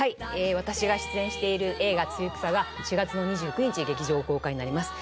私が出演している映画「ツユクサ」が４月の２９日劇場公開になります